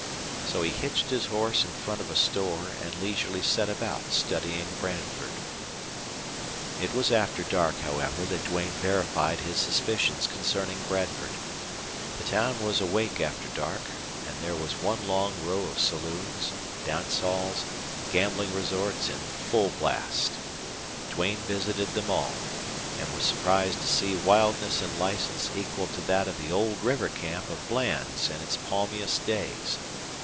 So he hitched his horse in front of a store and leisurely set about studying Bradford. It was after dark, however, that Duane verified his suspicions concerning Bradford. The town was awake after dark, and there was one long row of saloons, dance halls, gambling resorts in full blast. Duane visited them all, and was surprised to see wildness and license equal to that of the old river camp of Bland's in its palmiest days.